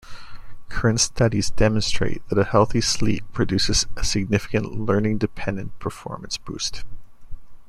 Current studies demonstrate that a healthy sleep produces a significant learning-dependent performance boost.